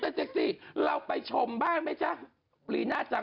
เพราะเขาไปคอมเมนต์ว่าคลิปที่เจ้าตัวเต้นนั้นถูกลีน่าจัง